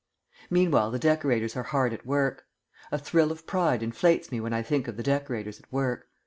Meanwhile the decorators are hard at work. A thrill of pride inflates me when I think of the decorators at work.